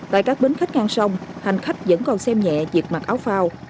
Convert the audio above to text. tại các bến khách ngang sông hành khách vẫn còn xem nhẹ diệt mặt áo phao